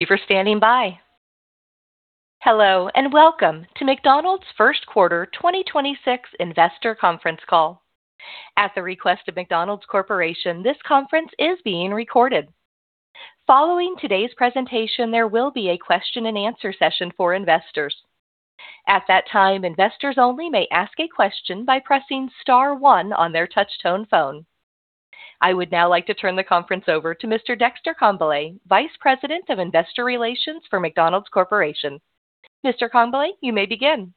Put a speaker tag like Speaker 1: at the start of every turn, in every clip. Speaker 1: Thank you for standing by. Hello and welcome to McDonald's First Quarter 2026 Investor Conference Call. At the request of McDonald's Corporation, this conference is being recorded. Following today's presentation, there will be a question-and-answer session for investors. At that time, investors only may ask a question by pressing star one on their touch-tone phone. I would now like to turn the conference over to Mr. Dexter Congbalay, Vice President of Investor Relations for McDonald's Corporation. Mr. Congbalay, you may begin.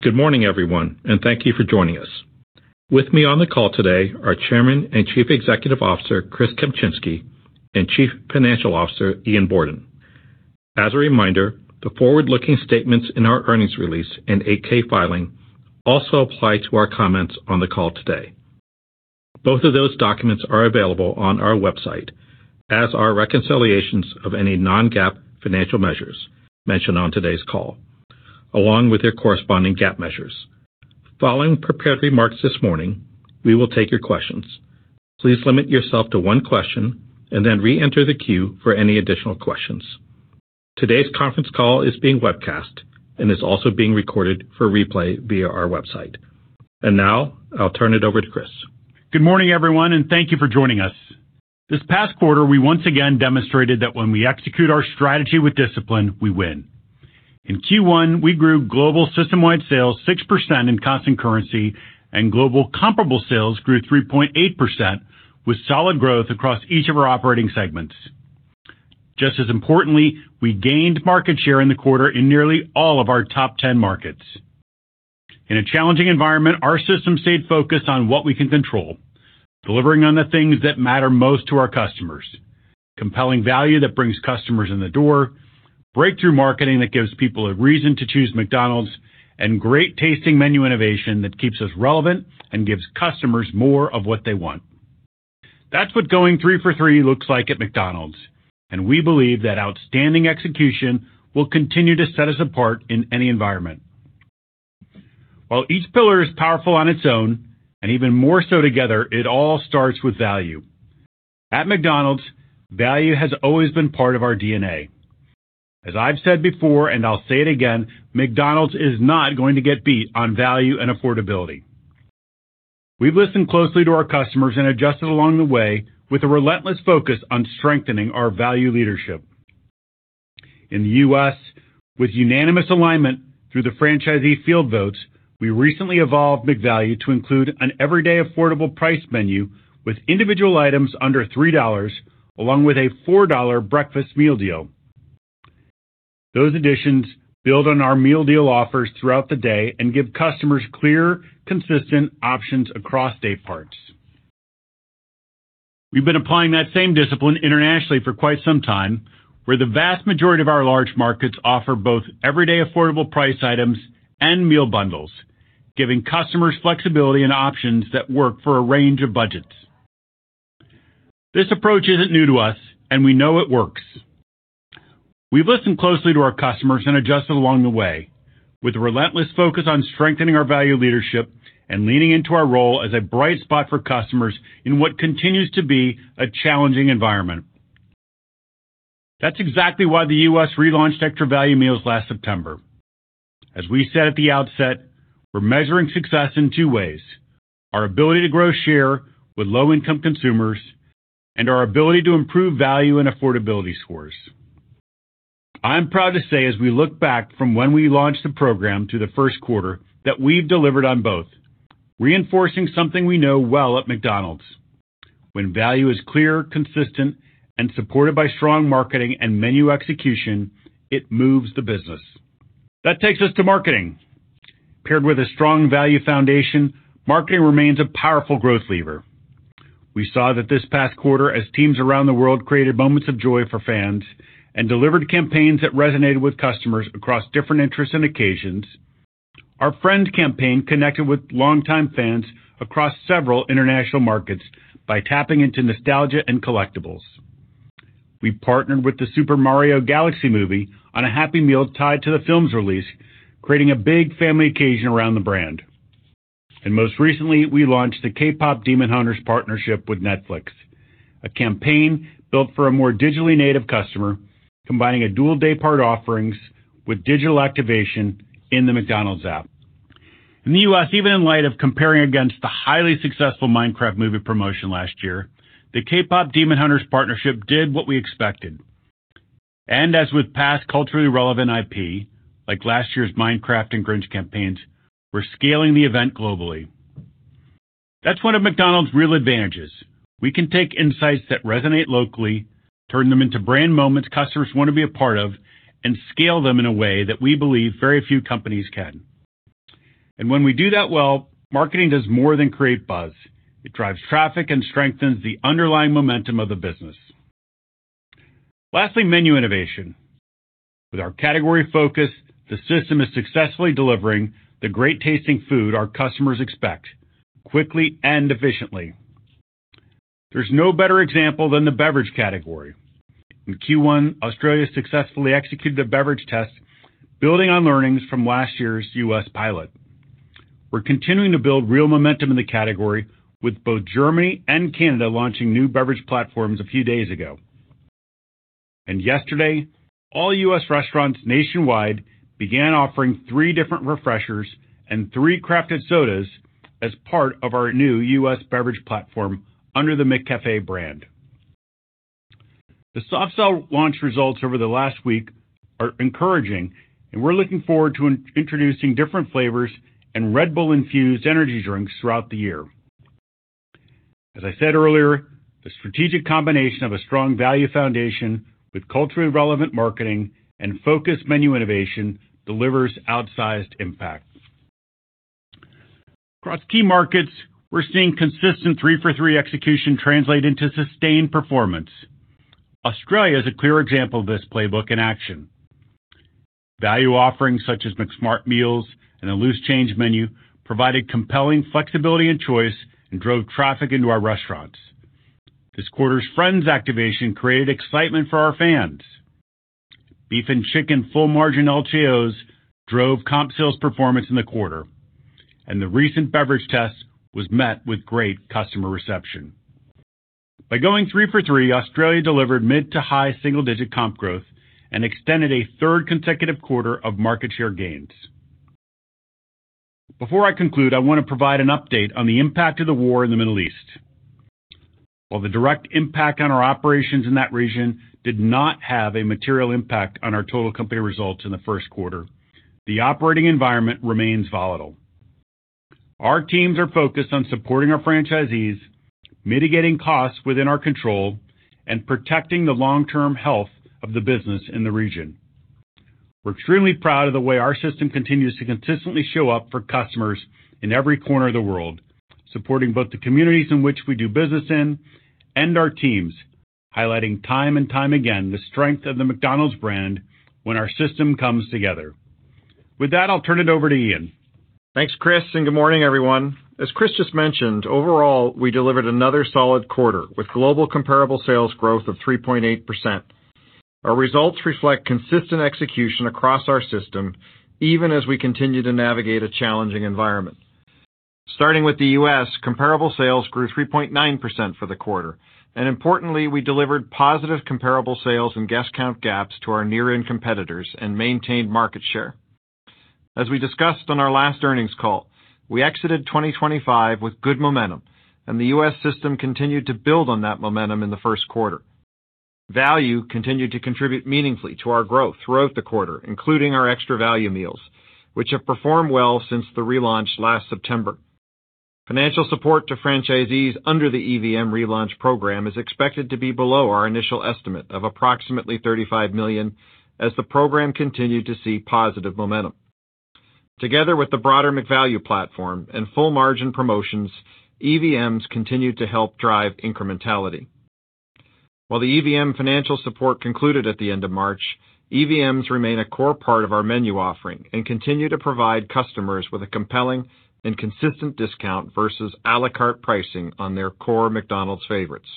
Speaker 2: Good morning, everyone. Thank you for joining us. With me on the call today are Chairman and Chief Executive Officer, Chris Kempczinski, and Chief Financial Officer, Ian Borden. As a reminder, the forward-looking statements in our earnings release and 8-K filing also apply to our comments on the call today. Both of those documents are available on our website, as are reconciliations of any non-GAAP financial measures mentioned on today's call, along with their corresponding GAAP measures. Following prepared remarks this morning, we will take your questions. Please limit yourself to one question and then re-enter the queue for any additional questions. Today's conference call is being webcast and is also being recorded for replay via our website. Now I'll turn it over to Chris.
Speaker 3: Good morning, everyone, and thank you for joining us. This past quarter, we once again demonstrated that when we execute our strategy with discipline, we win. In Q1, we grew global system-wide sales 6% in constant currency, global comparable sales grew 3.8% with solid growth across each of our operating segments. Just as importantly, we gained market share in the quarter in nearly all of our top 10 markets. In a challenging environment, our system stayed focused on what we can control, delivering on the things that matter most to our customers. Compelling value that brings customers in the door, breakthrough marketing that gives people a reason to choose McDonald's, and great-tasting menu innovation that keeps us relevant and gives customers more of what they want. That's what going three for three looks like at McDonald's. And we believe that outstanding execution will continue to set us apart in any environment. While each pillar is powerful on its own, and even more so together, it all starts with value. At McDonald's, value has always been part of our DNA. As I've said before, and I'll say it again, McDonald's is not going to get beat on value and affordability. We've listened closely to our customers and adjusted along the way with a relentless focus on strengthening our value leadership. In the U.S., with unanimous alignment through the franchisee field votes, we recently evolved McValue to include an everyday affordable price menu with individual items under $3, along with a $4 breakfast meal deal. Those additions build on our meal deal offers throughout the day and give customers clear, consistent options across dayparts. We've been applying that same discipline internationally for quite some time, where the vast majority of our large markets offer both everyday affordable price items and meal bundles, giving customers flexibility and options that work for a range of budgets. This approach isn't new to us, and we know it works. We've listened closely to our customers and adjusted along the way with a relentless focus on strengthening our value leadership and leaning into our role as a bright spot for customers in what continues to be a challenging environment. That's exactly why the U.S. relaunched Extra Value Meals last September. As we said at the outset, we're measuring success in two ways: our ability to grow share with low-income consumers and our ability to improve value and affordability scores. I'm proud to say, as we look back from when we launched the program to the first quarter, that we've delivered on both, reinforcing something we know well at McDonald's. When value is clear, consistent, and supported by strong marketing and menu execution, it moves the business. That takes us to marketing. Paired with a strong value foundation, marketing remains a powerful growth lever. We saw that this past quarter as teams around the world created moments of joy for fans and delivered campaigns that resonated with customers across different interests and occasions. Our Friends campaign connected with longtime fans across several international markets by tapping into nostalgia and collectibles. We partnered with The Super Mario Galaxy Movie on a Happy Meal tied to the film's release, creating a big family occasion around the brand. Most recently, we launched the KPop Demon Hunters partnership with Netflix, a campaign built for a more digitally native customer, combining a dual daypart offerings with digital activation in the McDonald's app. In the U.S., even in light of comparing against the highly successful Minecraft movie promotion last year, the KPop Demon Hunters partnership did what we expected. As with past culturally relevant IP, like last year's Minecraft and Grimace campaigns, we're scaling the event globally. That's one of McDonald's real advantages. We can take insights that resonate locally, turn them into brand moments customers want to be a part of, and scale them in a way that we believe very few companies can. When we do that well, marketing does more than create buzz. It drives traffic and strengthens the underlying momentum of the business. Lastly, menu innovation. With our category focus, the system is successfully delivering the great-tasting food our customers expect quickly and efficiently. There's no better example than the beverage category. In Q1, Australia successfully executed a beverage test building on learnings from last year's U.S. pilot. We're continuing to build real momentum in the category with both Germany and Canada launching new beverage platforms a few days ago. Yesterday, all U.S. restaurants nationwide began offering three different refreshers and three crafted sodas as part of our new U.S. beverage platform under the McCafé brand. The soft sell launch results over the last week are encouraging. We're looking forward to introducing different flavors and Red Bull infused energy drinks throughout the year. As I said earlier, the strategic combination of a strong value foundation with culturally relevant marketing and focused menu innovation delivers outsized impact. Across key markets, we're seeing consistent three-for-three execution translate into sustained performance. Australia is a clear example of this playbook in action. Value offerings such as McSmart Meals and a Loose Change Menu provided compelling flexibility and choice and drove traffic into our restaurants. This quarter's Friends activation created excitement for our fans. Beef and chicken full margin LTOs drove comp sales performance in the quarter, and the recent beverage test was met with great customer reception. By going three for three, Australia delivered mid to high single-digit comp growth and extended a third consecutive quarter of market share gains. Before I conclude, I want to provide an update on the impact of the war in the Middle East. While the direct impact on our operations in that region did not have a material impact on our total company results in the first quarter, the operating environment remains volatile. Our teams are focused on supporting our franchisees, mitigating costs within our control, and protecting the long-term health of the business in the region. We're extremely proud of the way our system continues to consistently show up for customers in every corner of the world, supporting both the communities in which we do business in and our teams, highlighting time and time again the strength of the McDonald's brand when our system comes together. With that, I'll turn it over to Ian.
Speaker 4: Thanks, Chris, good morning, everyone. As Chris just mentioned, overall, we delivered another solid quarter with global comparable sales growth of 3.8%. Our results reflect consistent execution across our system, even as we continue to navigate a challenging environment. Starting with the U.S. Comparable sales grew 3.9% for the quarter. Importantly, we delivered positive comparable sales and guest count gaps to our near-in competitors and maintained market share. As we discussed on our last earnings call, we exited 2025 with good momentum, the U.S. system continued to build on that momentum in the first quarter. Value continued to contribute meaningfully to our growth throughout the quarter, including our Extra Value Meals, which have performed well since the relaunch last September. Financial support to franchisees under the EVM relaunch program is expected to be below our initial estimate of approximately $35 million as the program continued to see positive momentum. Together with the broader McValue platform and full margin promotions, EVMs continued to help drive incrementality. While the EVM financial support concluded at the end of March, EVMs remain a core part of our menu offering and continue to provide customers with a compelling and consistent discount versus à la carte pricing on their core McDonald's favorites.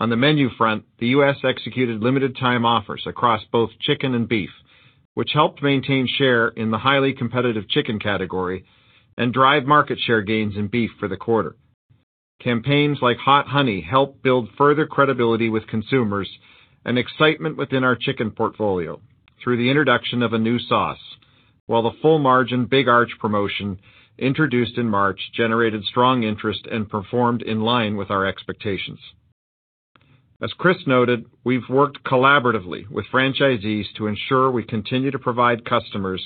Speaker 4: On the menu front, the U.S. executed Limited Time Offers across both chicken and beef, which helped maintain share in the highly competitive chicken category and drive market share gains in beef for the quarter. Campaigns like Hot Honey helped build further credibility with consumers and excitement within our chicken portfolio through the introduction of a new sauce. While the full margin Big Arch promotion introduced in March generated strong interest and performed in line with our expectations. As Chris noted, we've worked collaboratively with franchisees to ensure we continue to provide customers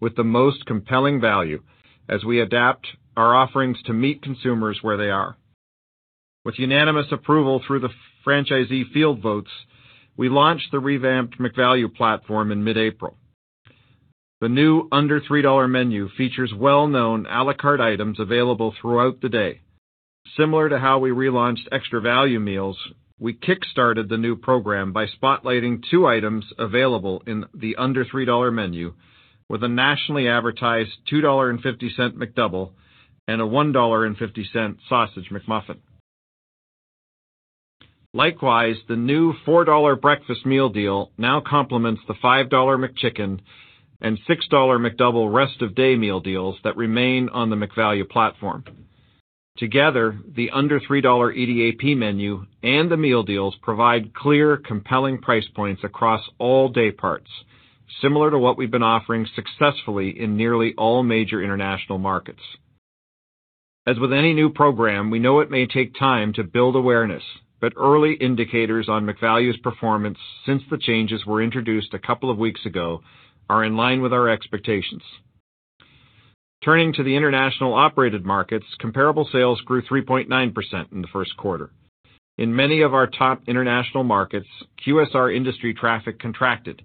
Speaker 4: with the most compelling value as we adapt our offerings to meet consumers where they are. With unanimous approval through the franchisee field votes, we launched the revamped McValue platform in mid-April. The new under $3 menu features well-known à la carte items available throughout the day. Similar to how we relaunched Extra Value Meals, we kick-started the new program by spotlighting two items available in the under $3 menu with a nationally advertised $2.50 McDouble and a $1.50 Sausage McMuffin. Likewise, the new $4 breakfast meal deal now complements the $5 McChicken and $6 McDouble rest of day meal deals that remain on the McValue platform. Together, the under $3 EDAP menu and the meal deals provide clear, compelling price points across all day parts, similar to what we've been offering successfully in nearly all major International Operated Markets. As with any new program, we know it may take time to build awareness, but early indicators on McValue's performance since the changes were introduced a couple of weeks ago are in line with our expectations. Turning to the International Operated Markets, comparable sales grew 3.9% in the first quarter. In many of our top international markets, QSR industry traffic contracted,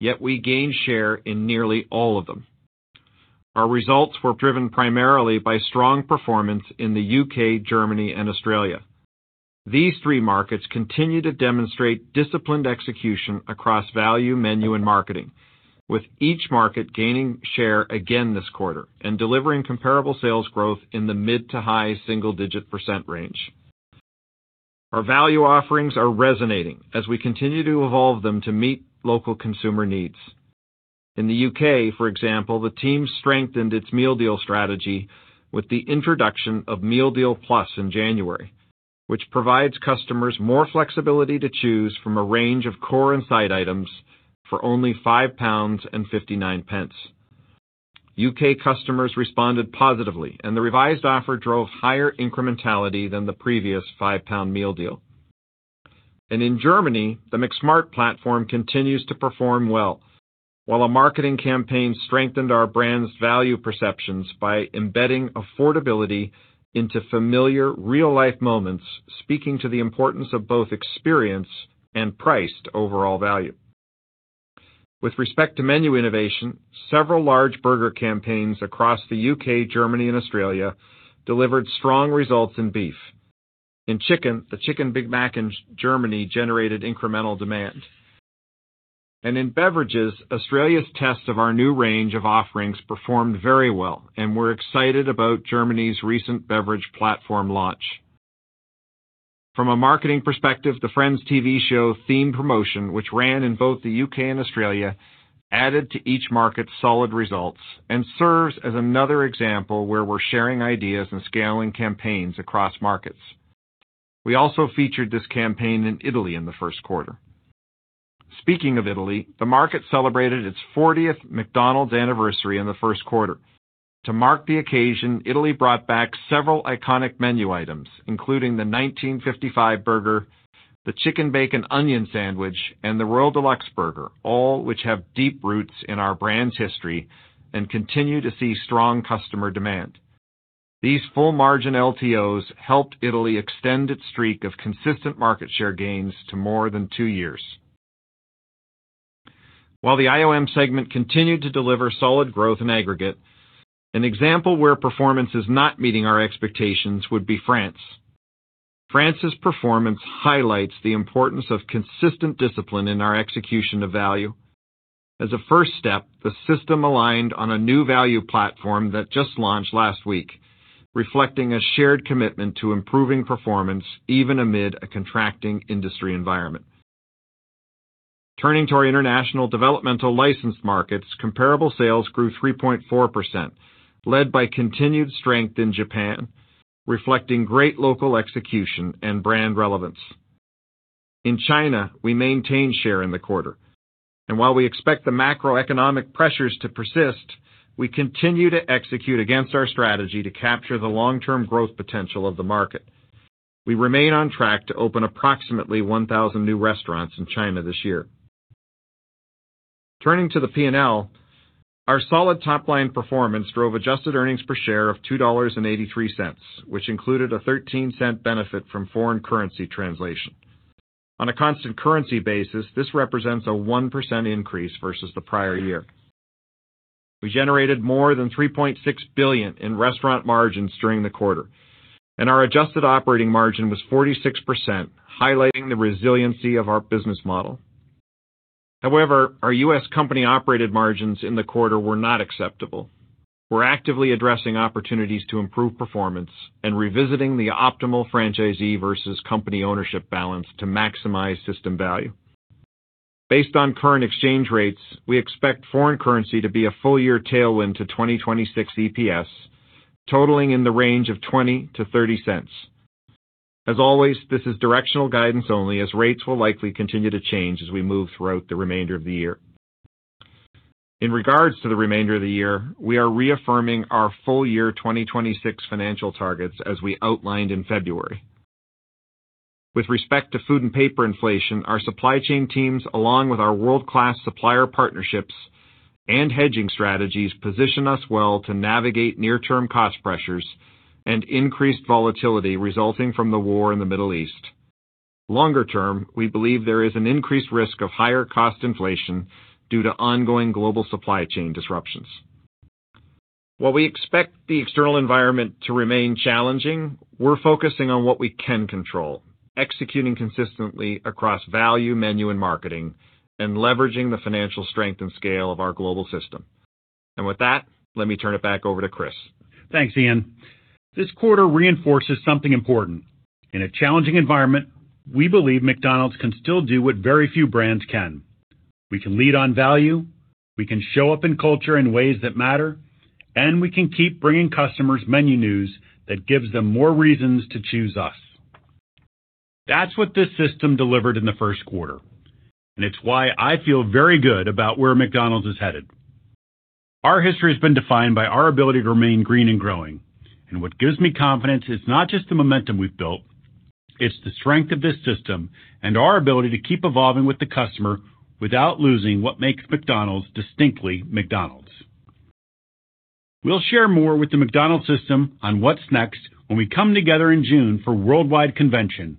Speaker 4: yet we gained share in nearly all of them. Our results were driven primarily by strong performance in the U.K., Germany, and Australia. These three markets continue to demonstrate disciplined execution across value, menu, and marketing, with each market gaining share again this quarter and delivering comparable sales growth in the mid to high single-digit % range. Our value offerings are resonating as we continue to evolve them to meet local consumer needs. In the U.K., for example, the team strengthened its meal deal strategy with the introduction of Meal Deal Plus in January, which provides customers more flexibility to choose from a range of core and side items for only 5.59 pounds. U.K. customers responded positively, the revised offer drove higher incrementality than the previous GBP 5 meal deal. In Germany, the McSmart platform continues to perform well. While a marketing campaign strengthened our brand's value perceptions by embedding affordability into familiar real-life moments, speaking to the importance of both experience and priced overall value. With respect to menu innovation, several large burger campaigns across the U.K., Germany, and Australia delivered strong results in beef. In chicken, the Chicken Big Mac in Germany generated incremental demand. In beverages, Australia's test of our new range of offerings performed very well, and we're excited about Germany's recent beverage platform launch. From a marketing perspective, the Friends TV show theme promotion, which ran in both the U.K. and Australia, added to each market's solid results and serves as another example where we're sharing ideas and scaling campaigns across markets. We also featured this campaign in Italy in the first quarter. Speaking of Italy, the market celebrated its 40th McDonald's anniversary in the first quarter. To mark the occasion, Italy brought back several iconic menu items, including the 1955 Burger, the Chicken Bacon Onion, and the Royal Deluxe, all which have deep roots in our brand's history and continue to see strong customer demand. These full-margin LTOs helped Italy extend its streak of consistent market share gains to more than two years. While the IOM segment continued to deliver solid growth in aggregate, an example where performance is not meeting our expectations would be France. France's performance highlights the importance of consistent discipline in our execution of value. As a first step, the system aligned on a new value platform that just launched last week, reflecting a shared commitment to improving performance even amid a contracting industry environment. Turning to our International Developmental Licensed Markets, comparable sales grew 3.4%, led by continued strength in Japan, reflecting great local execution and brand relevance. In China, we maintained share in the quarter, and while we expect the macroeconomic pressures to persist, we continue to execute against our strategy to capture the long-term growth potential of the market. We remain on track to open approximately 1,000 new restaurants in China this year. Turning to the P&L. Our solid top-line performance drove adjusted earnings per share of $2.83, which included a $0.13 benefit from foreign currency translation. On a constant currency basis, this represents a 1% increase versus the prior year. We generated more than $3.6 billion in restaurant margins during the quarter, and our adjusted operating margin was 46%, highlighting the resiliency of our business model. However, our U.S. company-operated margins in the quarter were not acceptable. We're actively addressing opportunities to improve performance and revisiting the optimal franchisee versus company ownership balance to maximize system value. Based on current exchange rates, we expect foreign currency to be a full-year tailwind to 2026 EPS, totaling in the range of $0.20-$0.30. As always, this is directional guidance only as rates will likely continue to change as we move throughout the remainder of the year. In regards to the remainder of the year, we are reaffirming our full-year 2026 financial targets as we outlined in February. With respect to food and paper inflation, our supply chain teams, along with our world-class supplier partnerships and hedging strategies, position us well to navigate near-term cost pressures and increased volatility resulting from the war in the Middle East. Longer term, we believe there is an increased risk of higher cost inflation due to ongoing global supply chain disruptions. While we expect the external environment to remain challenging, we're focusing on what we can control, executing consistently across value, menu, and marketing, and leveraging the financial strength and scale of our global system. With that, let me turn it back over to Chris.
Speaker 3: Thanks, Ian. This quarter reinforces something important. In a challenging environment, we believe McDonald's can still do what very few brands can. We can lead on value, we can show up in culture in ways that matter, and we can keep bringing customers menu news that gives them more reasons to choose us. That's what this system delivered in the first quarter, and it's why I feel very good about where McDonald's is headed. Our history has been defined by our ability to remain green and growing. What gives me confidence is not just the momentum we've built, it's the strength of this system and our ability to keep evolving with the customer without losing what makes McDonald's distinctly McDonald's. We'll share more with the McDonald's system on what's next when we come together in June for Worldwide Convention.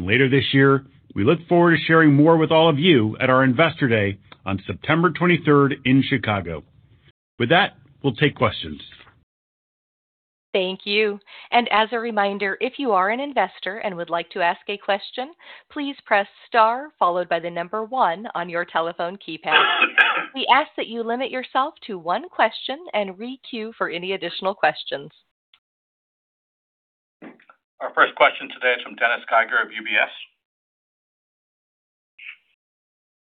Speaker 3: Later this year, we look forward to sharing more with all of you at our Investor Day on September 23rd in Chicago. With that, we'll take questions.
Speaker 1: Thank you. As a reminder, if you are an investor and would like to ask a question, please press star followed by the number one on your telephone keypad. We ask that you limit yourself to one question and re-queue for any additional questions.
Speaker 2: Our first question today is from Dennis Geiger of UBS.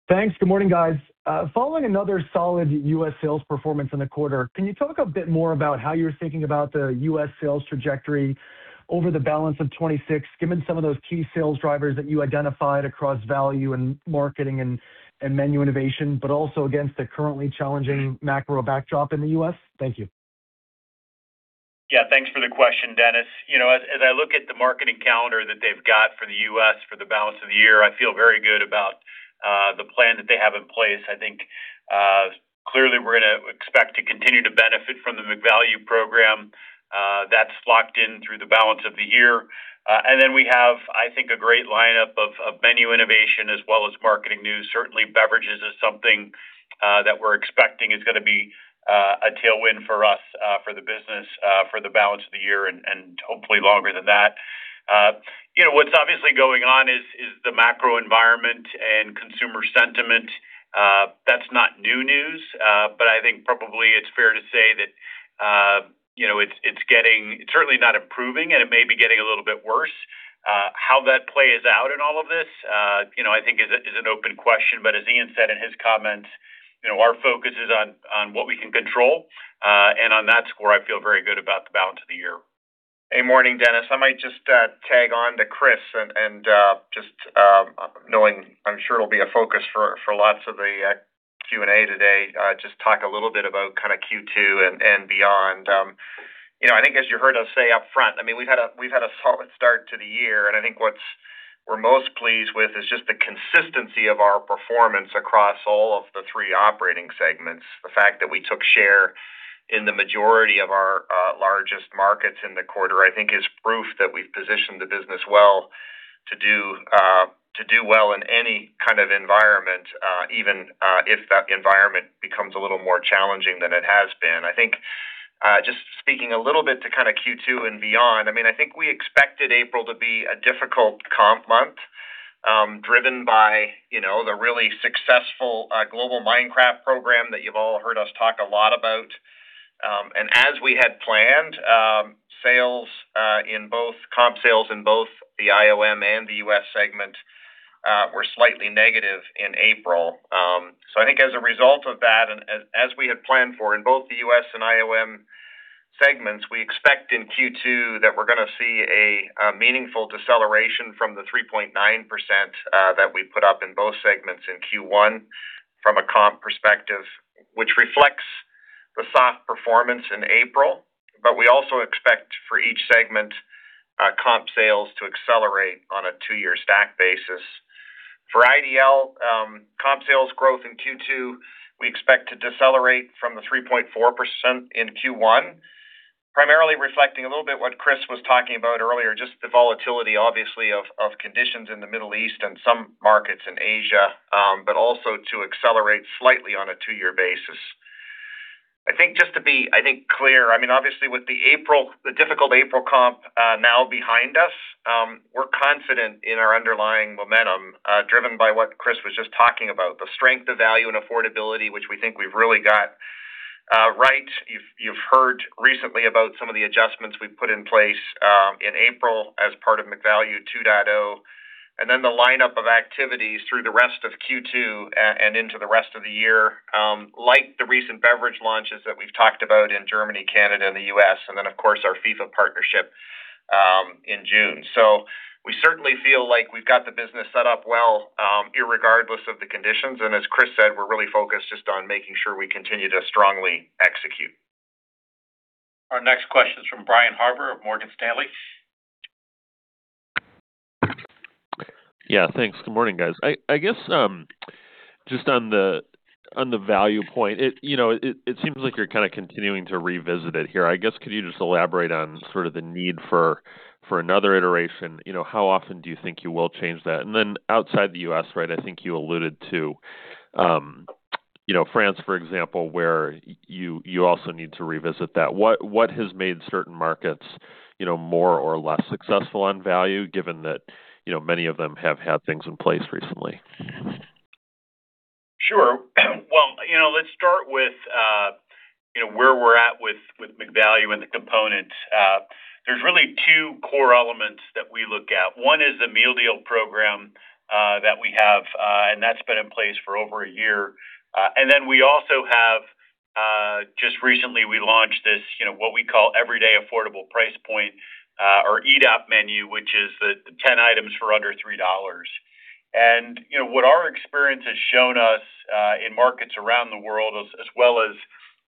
Speaker 5: Thanks. Good morning, guys. Following another solid U.S. sales performance in the quarter, can you talk a bit more about how you're thinking about the U.S. sales trajectory over the balance of 2026, given some of those key sales drivers that you identified across value and marketing and menu innovation, but also against the currently challenging macro backdrop in the U.S.? Thank you.
Speaker 3: Yeah, thanks for the question, Dennis. You know, as I look at the marketing calendar that they've got for the U.S. for the balance of the year, I feel very good about the plan that they have in place. I think clearly, we're gonna expect to continue to benefit from the McValue program. That's locked in through the balance of the year. We have, I think, a great lineup of menu innovation as well as marketing news. Certainly, beverages is something that we're expecting is gonna be a tailwind for us for the business for the balance of the year and hopefully longer than that. You know, what's obviously going on is the macro environment and consumer sentiment. That's not new news. I think probably it's fair to say that, you know, it's certainly not improving, and it may be getting a little bit worse. How that plays out in all of this, you know, I think is an open question. As Ian said in his comments, you know, our focus is on what we can control. On that score, I feel very good about the balance of the year.
Speaker 4: Hey, morning, Dennis. I might just tag on to Chris and just knowing I'm sure it'll be a focus for lots of the Q&A today, just talk a little bit about kinda Q2 and beyond. You know, I mean, we've had a solid start to the year, and I think what's we're most pleased with is just the consistency of our performance across all of the three operating segments. The fact that we took share in the majority of our largest markets in the quarter, I think is proof that we've positioned the business well to do well in any kind of environment, even if that environment becomes a little more challenging than it has been. I think, just speaking a little bit to kinda Q2 and beyond, I mean, I think we expected April to be a difficult comp month, driven by, you know, the really successful global Minecraft program that you've all heard us talk a lot about. As we had planned, comp sales in both the IOM and the U.S. segment were slightly negative in April. I think as a result of that and as we had planned for in both the U.S. and IOM segments, we expect in Q2 that we're going to see a meaningful deceleration from the 3.9% that we put up in both segments in Q1 from a comp perspective, which reflects the soft performance in April. We also expect for each segment, comp sales to accelerate on a two-year stack basis. For IDL, comp sales growth in Q2, we expect to decelerate from the 3.4% in Q1, primarily reflecting a little bit what Chris was talking about earlier, just the volatility, obviously, of conditions in the Middle East and some markets in Asia, but also to accelerate slightly on a two-year basis. I think just to be, I think, clear, I mean, obviously, with the difficult April comp now behind us, we're confident in our underlying momentum, driven by what Chris was just talking about, the strength of value and affordability, which we think we've really got right. You've heard recently about some of the adjustments we've put in place in April as part of McValue 2.0, and then the lineup of activities through the rest of Q2 and into the rest of the year, like the recent beverage launches that we've talked about in Germany, Canada, and the U.S. And then, of course, our FIFA partnership in June. We certainly feel like we've got the business set up well, regardless of the conditions. As Chris said, we're really focused just on making sure we continue to strongly execute.
Speaker 2: Our next question is from Brian Harbour of Morgan Stanley.
Speaker 6: Yeah, thanks. Good morning, guys. I guess, just on the, on the value point, it, you know, it seems like you're kinda continuing to revisit it here. I guess, could you just elaborate on sort of the need for another iteration? You know, how often do you think you will change that? Outside the U.S. right, I think you alluded to, you know, France, for example, where you also need to revisit that. What has made certain markets, you know, more or less successful on value given that, you know, many of them have had things in place recently?
Speaker 3: Sure. Well, you know, let's start with, you know, where we're at with McValue and the component. There's really two core elements that we look at. One is the meal deal program that we have, and that's been in place for over a year. We also have just recently we launched this, you know, what we call Everyday Affordable Price Point, or EDAP menu, which is the 10 items for under $3. You know, what our experience has shown us in markets around the world as well as,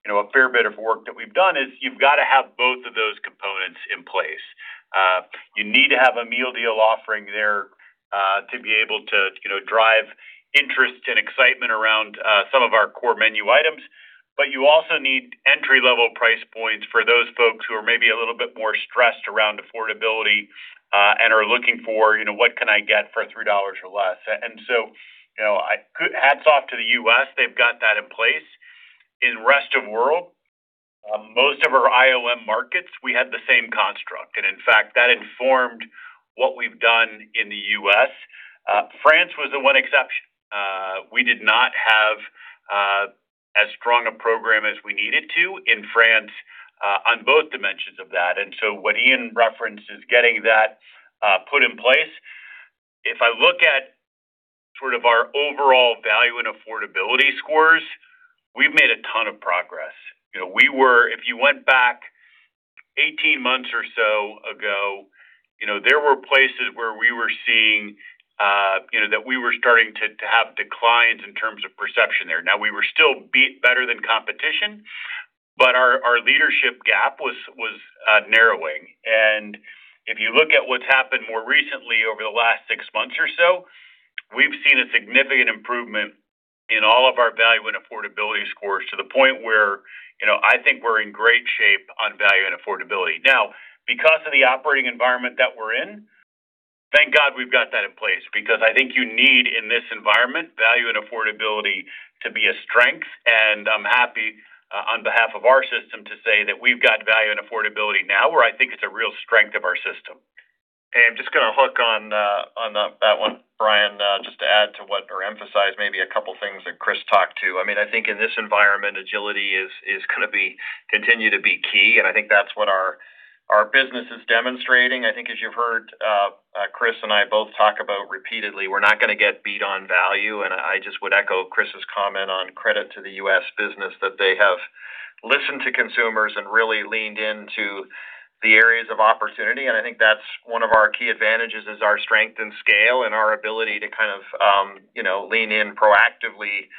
Speaker 3: you know, a fair bit of work that we've done is you've gotta have both of those components in place. You need to have a meal deal offering there, to be able to, you know, drive interest and excitement around some of our core menu items. You also need entry-level price points for those folks who are maybe a little bit more stressed around affordability, and are looking for, you know, what can I get for $3 or less. You know, hats off to the U.S., they've got that in place. In rest of world, most of our IOM markets, we had the same construct. In fact, that informed what we've done in the U.S. France was the one exception. We did not have as strong a program as we needed to in France, on both dimensions of that. What Ian referenced is getting that put in place. If I look at sort of our overall value and affordability scores, we've made a ton of progress. You know, we were If you went back 18 months or so ago, you know, there were places where we were seeing, you know, that we were starting to have declines in terms of perception there. Now, we were still better than competition, but our leadership gap was narrowing. If you look what's happened more recently over the last six months or so, we've seen a significant improvement in all of our value and affordability scores to the point where, you know, I think we're in great shape on value and affordability. Because of the operating environment that we're in, thank God we've got that in place because I think you need, in this environment, value and affordability to be a strength. I'm happy, on behalf of our system to say that we've got value and affordability now where I think it's a real strength of our system.
Speaker 4: Hey, I'm just gonna hook on on that one, Brian, just to add to what or emphasize maybe a couple of things that Chris talked to. I mean, I think in this environment, agility is gonna be continue to be key, I think that's what our business is demonstrating. I think as you've heard Chris and I both talk about repeatedly, we're not gonna get beat on value, I just would echo Chris' comment on credit to the U.S. business that they have listened to consumers and really leaned into the areas of opportunity. I think that's one of our key advantages is our strength and scale and our ability to kind of, you know, lean in proactively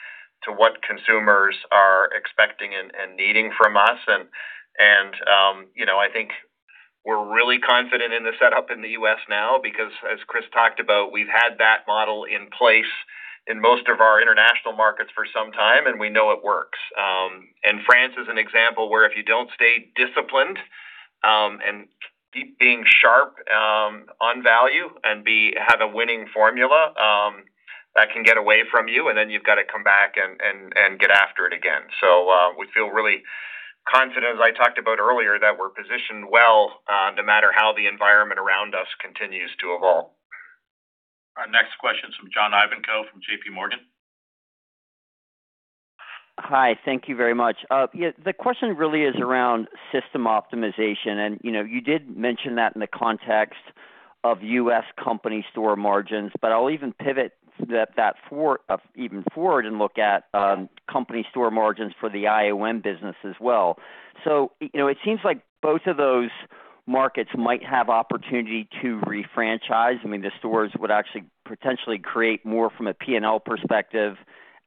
Speaker 4: to what consumers are expecting and needing from us. You know, I think we're really confident in the setup in the U.S. now because as Chris talked about, we've had that model in place in most of our international markets for some time, and we know it works. France is an example where if you don't stay disciplined, and keep being sharp, on value and have a winning formula, that can get away from you, and then you've got to come back and get after it again. We feel really confident, as I talked about earlier, that we're positioned well, no matter how the environment around us continues to evolve.
Speaker 2: Our next question is from John Ivankoe from JPMorgan.
Speaker 7: Hi, thank you very much. The question really is around system optimization. You know, you did mention that in the context of U.S. company store margins, but I'll even pivot that even forward and look at company store margins for the IOM business as well. You know, it seems like both of those markets might have opportunity to refranchise. I mean, the stores would actually potentially create more from a P&L perspective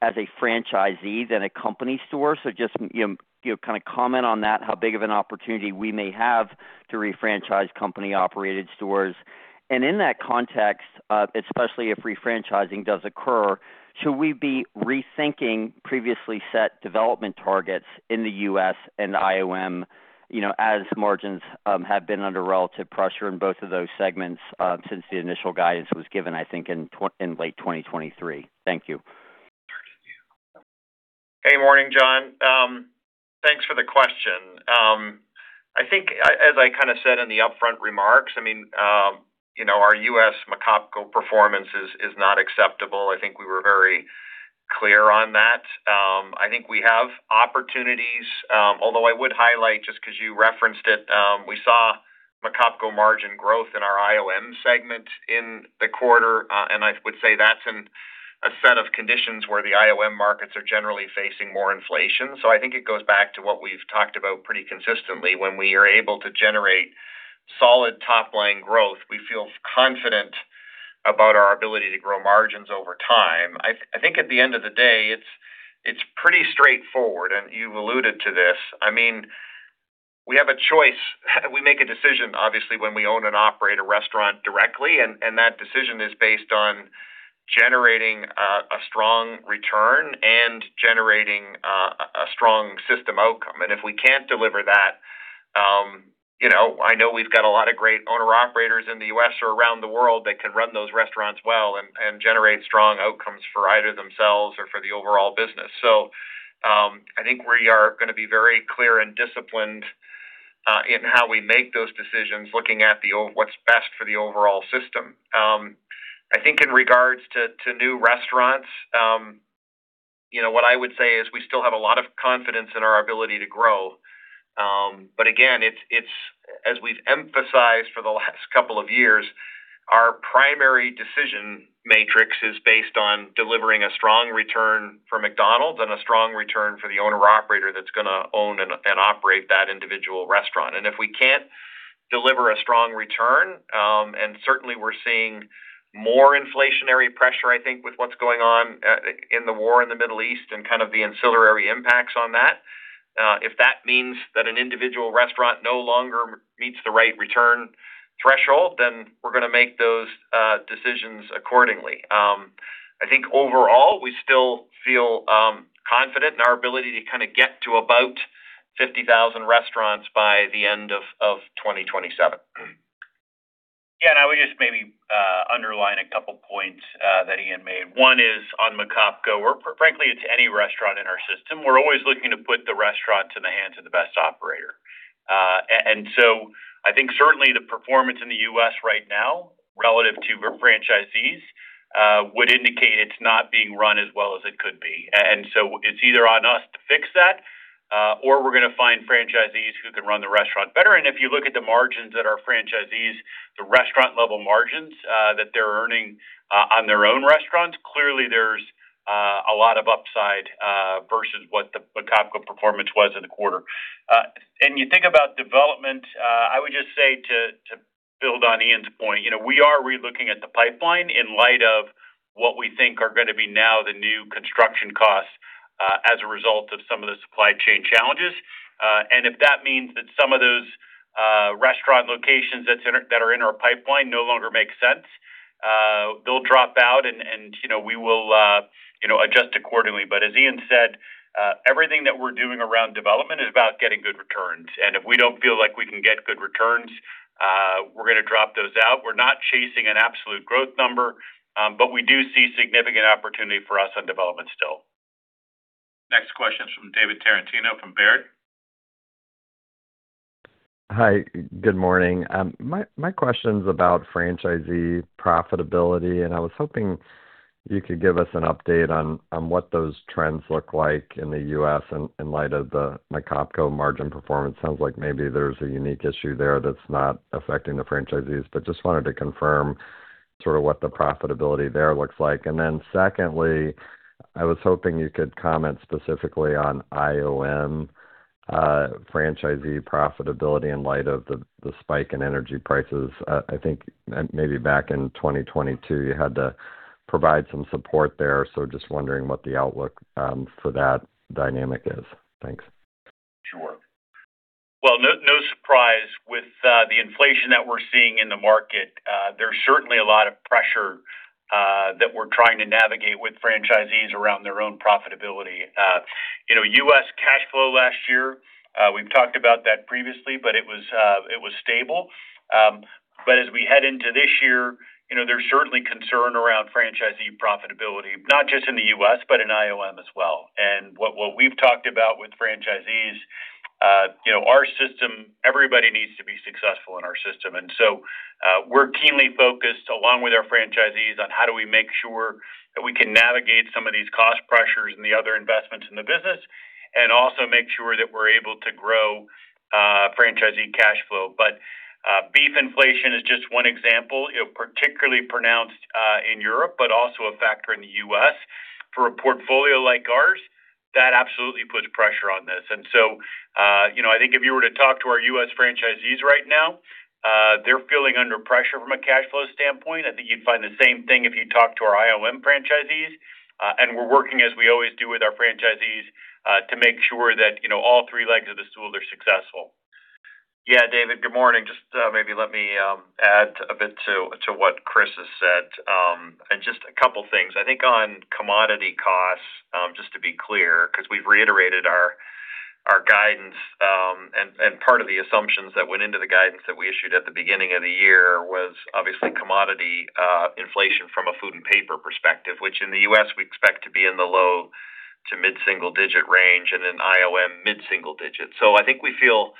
Speaker 7: as a franchisee than a company store. Just, you know, kind of comment on that, how big of an opportunity we may have to refranchise company-operated stores. In that context, especially if refranchising does occur, should we be rethinking previously set development targets in the U.S. and the IOM? You know, as margins have been under relative pressure in both of those segments, since the initial guidance was given, I think in late 2023. Thank you.
Speaker 4: Hey, morning, John. Thanks for the question. I think as I kinda said in the upfront remarks, I mean, you know, our U.S. McOpCo performance is not acceptable. I think we were very clear on that. I think we have opportunities, although I would highlight, just 'cause you referenced it, we saw McOpCo margin growth in our IOM segment in the quarter. I would say that's in a set of conditions where the IOM markets are generally facing more inflation. I think it goes back to what we've talked about pretty consistently. When we are able to generate solid top-line growth, we feel confident about our ability to grow margins over time. I think at the end of the day, it's pretty straightforward, you've alluded to this. I mean, we have a choice. We make a decision, obviously, when we own and operate a restaurant directly, and that decision is based on generating a strong return and generating a strong system outcome. If we can't deliver that, you know, I know we've got a lot of great owner-operators in the U.S. or around the world that can run those restaurants well and generate strong outcomes for either themselves or for the overall business. I think we are gonna be very clear and disciplined in how we make those decisions, looking at what's best for the overall system. I think in regards to new restaurants, you know, what I would say is we still have a lot of confidence in our ability to grow. But again, it's, as we've emphasized for the last couple of years, our primary decision matrix is based on delivering a strong return for McDonald's and a strong return for the owner-operator that's gonna own and operate that individual restaurant. If we can't deliver a strong return, certainly we're seeing more inflationary pressure, I think, with what's going on in the war in the Middle East and kind of the ancillary impacts on that. If that means that an individual restaurant no longer meets the right return threshold, then we're gonna make those decisions accordingly. I think overall, we still feel confident in our ability to kinda get to about 50,000 restaurants by the end of 2027.
Speaker 3: Yeah, I would just maybe underline a couple points that Ian made. One is on McOpCo. Frankly, it's any restaurant in our system. We're always looking to put the restaurant in the hands of the best operator. I think certainly the performance in the U.S. right now relative to franchisees would indicate it's not being run as well as it could be. It's either on us to fix that, or we're gonna find franchisees who can run the restaurant better. If you look at the margins that our franchisees, the restaurant level margins, that they're earning on their own restaurants, clearly there's a lot of upside versus what the McOpCo performance was in the quarter. You think about development, I would just say to build on Ian's point, you know, we are relooking at the pipeline in light of what we think are gonna be now the new construction costs, as a result of some of the supply chain challenges. If that means that some of those, restaurant locations that are in our pipeline no longer make sense, they'll drop out and, you know, we will, you know, adjust accordingly. As Ian said, everything that we're doing around development is about getting good returns. If we don't feel like we can get good returns, we're gonna drop those out. We're not chasing an absolute growth number, but we do see significant opportunity for us on development still.
Speaker 2: Next question is from David Tarantino from Baird.
Speaker 8: Hi, good morning. My question's about franchisee profitability, and I was hoping you could give us an update on what those trends look like in the U.S. in light of the McOpCo margin performance. Sounds like maybe there's a unique issue there that's not affecting the franchisees. Just wanted to confirm sort of what the profitability there looks like. Secondly, I was hoping you could comment specifically on IOM franchisee profitability in light of the spike in energy prices. I think maybe back in 2022, you had to provide some support there, so just wondering what the outlook for that dynamic is. Thanks.
Speaker 3: Sure. Well, no surprise with the inflation that we're seeing in the market, there's certainly a lot of pressure that we're trying to navigate with franchisees around their own profitability. You know, U.S. cash flow last year, we've talked about that previously, but it was stable. As we head into this year, you know, there's certainly concern around franchisee profitability, not just in the U.S., but in IOM as well. What we've talked about with franchisees, you know, our system, everybody needs to be successful in our system. We're keenly focused, along with our franchisees, on how do we make sure that we can navigate some of these cost pressures and the other investments in the business and also make sure that we're able to grow franchisee cash flow. Beef inflation is just one example, you know, particularly pronounced in Europe, but also a factor in the U.S. For a portfolio like ours, that absolutely puts pressure on this. You know, I think if you were to talk to our U.S. franchisees right now, they're feeling under pressure from a cash flow standpoint. I think you'd find the same thing if you talk to our IOM franchisees. We're working as we always do with our franchisees, to make sure that, you know, all three legs of the stool are successful.
Speaker 4: Yeah, David, good morning. Just maybe let me add a bit to what Chris has said. Just a couple of things. I think on commodity costs, just to be clear, 'cause we've reiterated our guidance, part of the assumptions that went into the guidance that we issued at the beginning of the year was obviously commodity inflation from a food and paper perspective, which in the U.S., we expect to be in the low to mid-single digit range and in IOM mid-single digits. I think we feel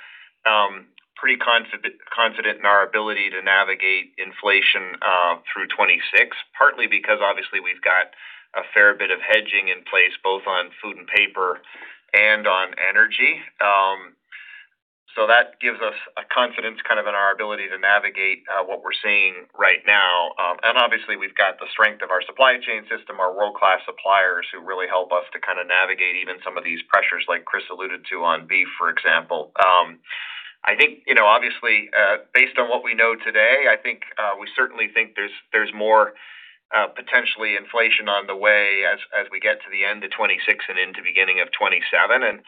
Speaker 4: pretty confident in our ability to navigate inflation through 2026, partly because obviously we've got a fair bit of hedging in place, both on food and paper and on energy. That gives us a confidence kind of in our ability to navigate what we're seeing right now. Obviously we've got the strength of our supply chain system, our world-class suppliers who really help us to kind of navigate even some of these pressures like Chris alluded to on beef, for example. I think, you know, obviously, based on what we know today, I think, we certainly think there's more, potentially inflation on the way as we get to the end of 2026 and into beginning of 2027.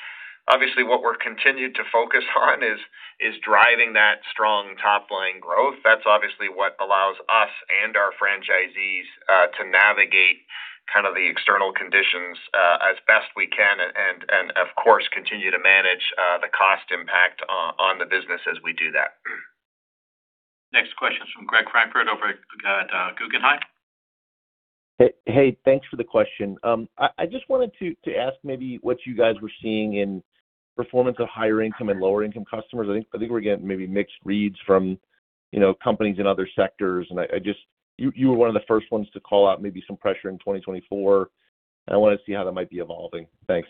Speaker 4: Obviously what we're continued to focus on is driving that strong top-line growth. That's obviously what allows us and our franchisees, to navigate kind of the external conditions, as best we can and of course, continue to manage, the cost impact on the business as we do that.
Speaker 1: Next question is from Greg Francfort of Guggenheim.
Speaker 9: Hey, hey, thanks for the question. I just wanted to ask maybe what you guys were seeing in performance of higher income and lower income customers. I think we're getting maybe mixed reads from, you know, companies in other sectors. You were one of the first ones to call out maybe some pressure in 2024, and I wanna see how that might be evolving. Thanks.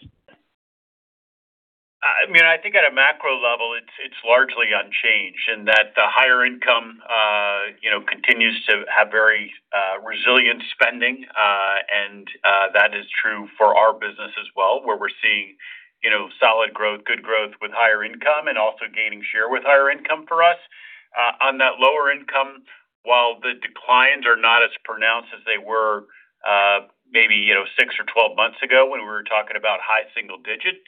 Speaker 3: I mean, I think at a macro level, it's largely unchanged in that the higher income, you know, continues to have very resilient spending. That is true for our business as well, where we're seeing, you know, solid growth, good growth with higher income and also gaining share with higher income for us. That lower income, while the declines are not as pronounced as they were, maybe, you know, six or 12 months ago when we were talking about high single digit,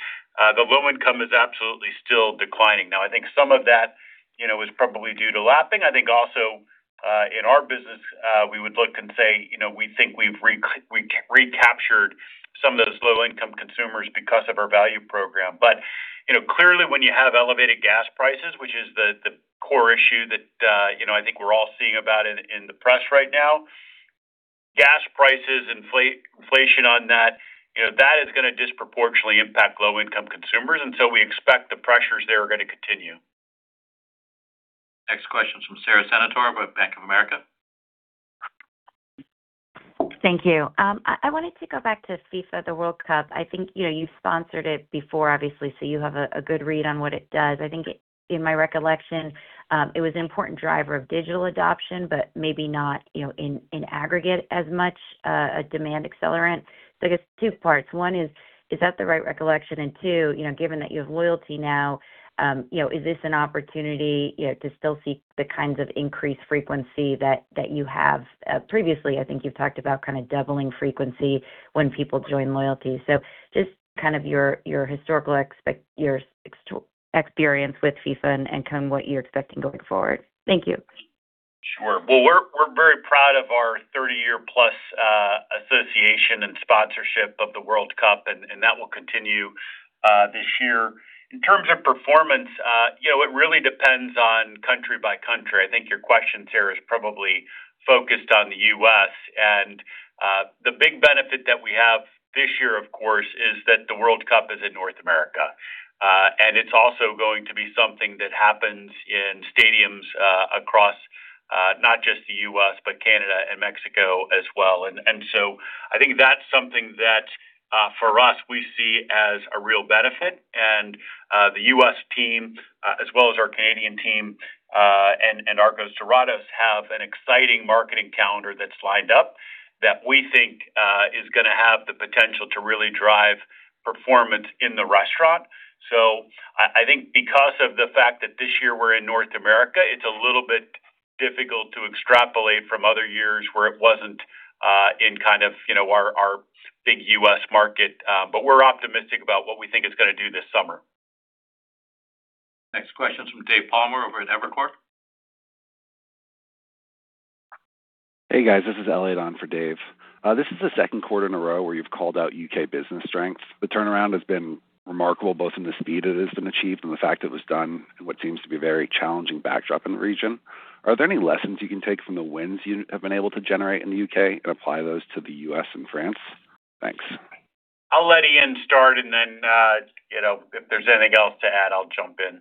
Speaker 3: the low income is absolutely still declining. I think some of that, you know, is probably due to lapping. I think also, in our business, we would look and say, you know, we think we've recaptured some of those low-income consumers because of our value program.
Speaker 4: You know, clearly when you have elevated gas prices, which is the core issue that, you know, I think we're all seeing about in the press right now. Gas prices inflation on that, you know, that is gonna disproportionately impact low income consumers. We expect the pressures there are gonna continue.
Speaker 2: Next question is from Sara Senatore over at Bank of America.
Speaker 10: Thank you. I wanted to go back to FIFA, the World Cup. I think, you know, you sponsored it before, obviously, so you have a good read on what it does. I think in my recollection, it was an important driver of digital adoption, but maybe not, you know, in aggregate as much a demand accelerant. I guess two parts. one is that the right recollection? Two, you know, given that you have loyalty now, you know, is this an opportunity, you know, to still see the kinds of increased frequency that you have previously? I think you've talked about kinda doubling frequency when people join loyalty. Just kind of your historical experience with FIFA and kind of what you're expecting going forward. Thank you.
Speaker 3: Sure. Well, we're very proud of our 30-year plus association and sponsorship of the World Cup, and that will continue this year. In terms of performance, you know, it really depends on country by country. I think your question, Sara, is probably focused on the U.S., and the big benefit that we have this year, of course, is that the World Cup is in North America. It's also going to be something that happens in stadiums across not just the U.S., but Canada and Mexico as well. I think that's something that, for us, we see as a real benefit. The U.S. team, as well as our Canadian team, and Arcos Dorados have an exciting marketing calendar that's lined up that we think is gonna have the potential to really drive performance in the restaurant. I think because of the fact that this year we're in North America, it's a little bit difficult to extrapolate from other years where it wasn't in kind of, you know, our big U.S. market. We're optimistic about what we think it's gonna do this summer.
Speaker 2: Next question is from David Palmer over at Evercore.
Speaker 11: Hey, guys. This is Elliot on for Dave. This is the second quarter in a row where you've called out U.K. business strength. The turnaround has been remarkable, both in the speed it has been achieved and the fact it was done in what seems to be a very challenging backdrop in the region. Are there any lessons you can take from the wins you have been able to generate in the U.K. and apply those to the U.S. and France? Thanks.
Speaker 3: I'll let Ian start and then, you know, if there's anything else to add, I'll jump in.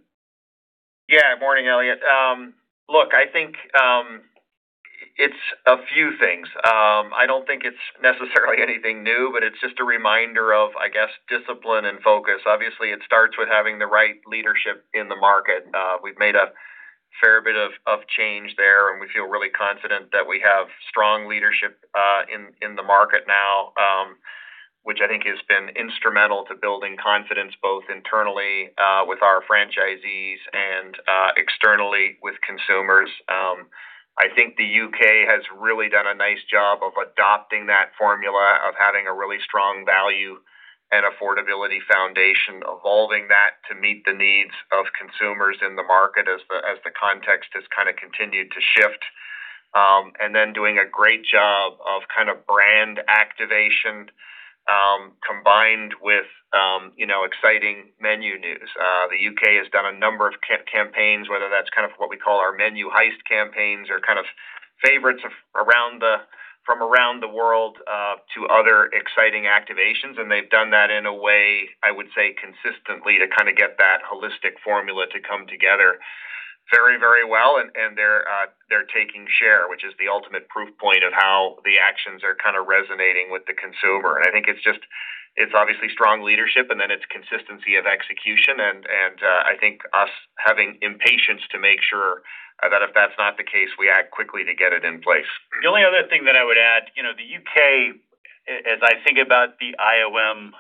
Speaker 4: Yeah. Morning, Elliot. Look, I think it's a few things. I don't think it's necessarily anything new, but it's just a reminder of, I guess, discipline and focus. Obviously, it starts with having the right leadership in the market. We've made a fair bit of change there, and we feel really confident that we have strong leadership in the market now, which I think has been instrumental to building confidence both internally with our franchisees and externally with consumers. I think the U.K. has really done a nice job of adopting that formula of having a really strong value and affordability foundation, evolving that to meet the needs of consumers in the market as the context has kinda continued to shift. Then doing a great job of kind of brand activation, combined with, you know, exciting menu news. The U.K. has done a number of campaigns, whether that's kind of what we call our Menu Hacks campaigns or kind of favorites from around the world, to other exciting activations. They've done that in a way, I would say, consistently to kinda get that holistic formula to come together very, very well. They're taking share, which is the ultimate proof point of how the actions are kinda resonating with the consumer. I think it's just, it's obviously strong leadership, then it's consistency of execution, and, I think us having impatience to make sure that if that's not the case, we act quickly to get it in place.
Speaker 3: The only other thing that I would add, you know, the U.K., as I think about the IOM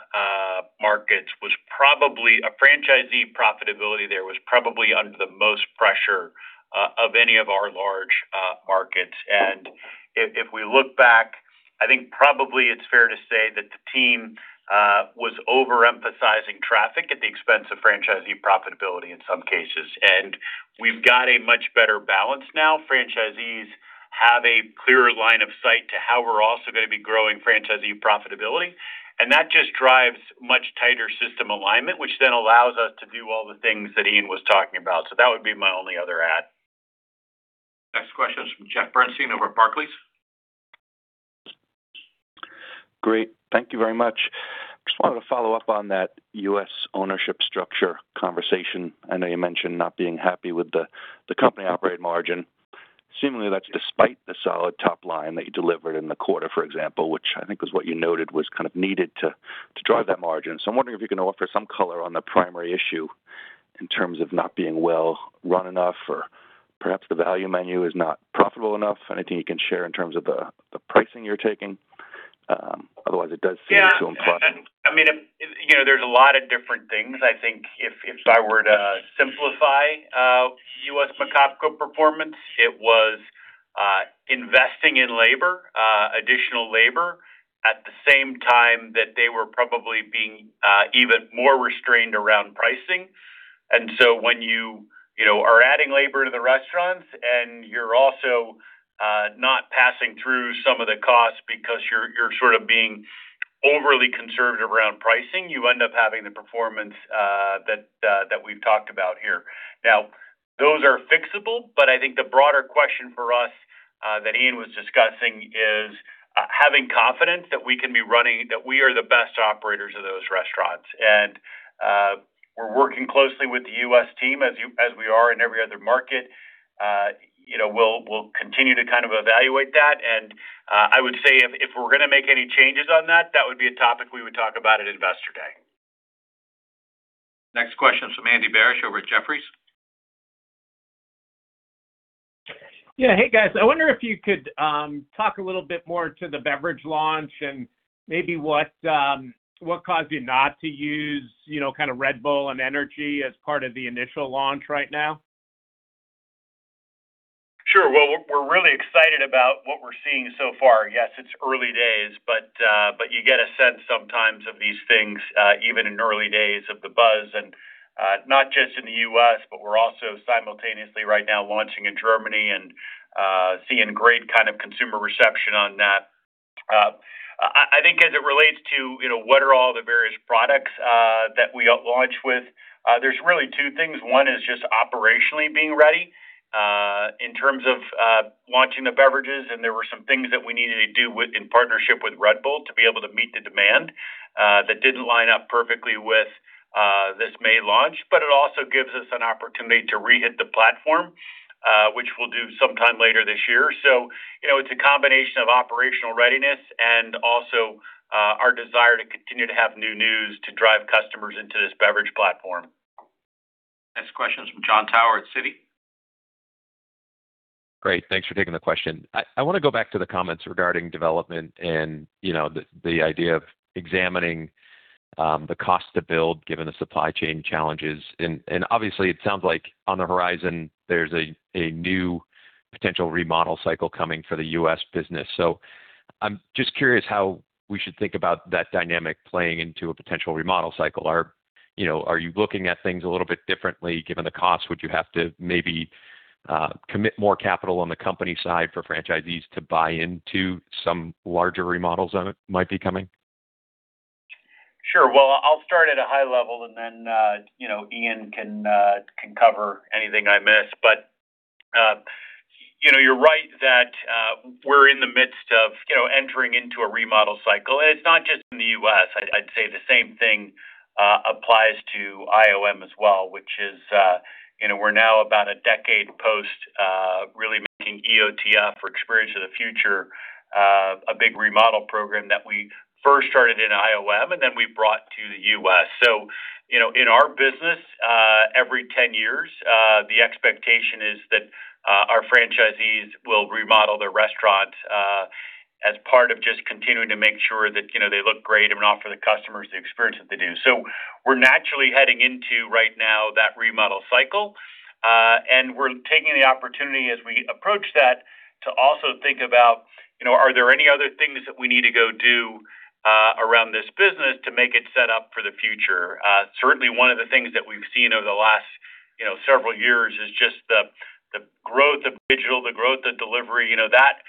Speaker 3: markets, was probably franchisee profitability there was under the most pressure of any of our large markets. If we look back, I think probably it's fair to say that the team was overemphasizing traffic at the expense of franchisee profitability in some cases. We've got a much better balance now. Franchisees have a clearer line of sight to how we're also gonna be growing franchisee profitability, and that just drives much tighter system alignment, which then allows us to do all the things that Ian was talking about. That would be my only other add.
Speaker 2: Next question is from Jeff Bernstein over at Barclays.
Speaker 12: Great. Thank you very much. Just wanted to follow up on that U.S. ownership structure conversation. I know you mentioned not being happy with the company-operated margin. Seemingly, that's despite the solid top line that you delivered in the quarter, for example, which I think was what you noted was kind of needed to drive that margin. I'm wondering if you can offer some color on the primary issue in terms of not being well run enough or perhaps the value menu is not profitable enough? Anything you can share in terms of the pricing you're taking? Otherwise it does seem too implied.
Speaker 3: Yeah. I mean, you know, there's a lot of different things. I think if I were to simplify our U.S. McOpCo's performance, it was investing in labor, additional labor at the same time that they were probably being even more restrained around pricing. When you know, are adding labor to the restaurants and you're also not passing through some of the costs because you're sort of being overly conservative around pricing, you end up having the performance that we've talked about here. Now, those are fixable, but I think the broader question for us that Ian was discussing is having confidence that we can be running that we are the best operators of those restaurants. We're working closely with the U.S. team as we are in every other market. You know, we'll continue to kind of evaluate that. I would say if we're gonna make any changes on that would be a topic we would talk about at Investor Day.
Speaker 2: Next question is from Andy Barish over at Jefferies.
Speaker 13: Yeah. Hey, guys. I wonder if you could talk a little bit more to the beverage launch and maybe what caused you not to use, you know, kinda Red Bull and energy as part of the initial launch right now?
Speaker 3: Sure. Well, we're really excited about what we're seeing so far. Yes, it's early days, but you get a sense sometimes of these things, even in early days of the buzz, not just in the U.S., but we're also simultaneously right now launching in Germany and seeing great kind of consumer reception on that. I think as it relates to, you know, what are all the various products that we launch with, there's really two things. One is just operationally being ready in terms of launching the beverages, there were some things that we needed to do in partnership with Red Bull to be able to meet the demand that didn't line up perfectly with this May launch. It also gives us an opportunity to re-hit the platform, which we'll do sometime later this year. You know, it's a combination of operational readiness and also, our desire to continue to have new news to drive customers into this beverage platform.
Speaker 2: Next question is from Jon Tower at Citi.
Speaker 14: Great. Thanks for taking the question. I wanna go back to the comments regarding development and, you know, the idea of examining the cost to build given the supply chain challenges. Obviously, it sounds like on the horizon there's a new potential remodel cycle coming for the U.S. business. I'm just curious how we should think about that dynamic playing into a potential remodel cycle. Are you looking at things a little bit differently given the cost? Would you have to maybe commit more capital on the company side for franchisees to buy into some larger remodels that might be coming?
Speaker 3: Sure. I'll start at a high level and then, you know, Ian can cover anything I miss. You know, you're right that we're in the midst of, you know, entering into a remodel cycle. It's not just in the U.S. I'd say the same thing applies to IOM as well, which is, you know, we're now about a decade post really making EOTF or Experience of the Future a big remodel program that we first started in IOM and then we brought to the U.S. You know, in our business, every 10 years, the expectation is that our franchisees will remodel their restaurants as part of just continuing to make sure that, you know, they look great and offer the customers the experience that they do. We're naturally heading into right now that remodel cycle, and we're taking the opportunity as we approach that to also think about, you know, are there any other things that we need to go do around this business to make it set up for the future. Certainly one of the things that we've seen over the last, you know, several years is just the growth of digital, the growth of delivery. You know, that